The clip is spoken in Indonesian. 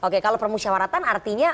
kalau permusyawaratan artinya